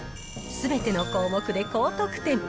すべての項目で高得点。